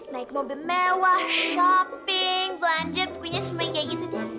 naik mobil mewah shopping belanja punya semua yang kayak gitu